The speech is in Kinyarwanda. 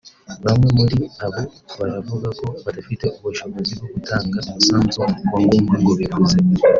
Bamwe muri abo baravuga ko badafite ubushobozi bwo gutanga umusanzu wa ngombwa ngo bivuze